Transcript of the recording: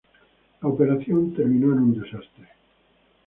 La operación terminó en un desastre.